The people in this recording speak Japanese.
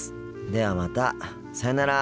ではまたさようなら。